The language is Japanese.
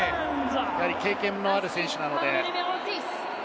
経験のある選手なので。